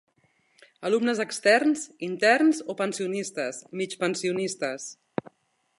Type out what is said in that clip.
Alumnes externs, interns o pensionistes, migpensionistes.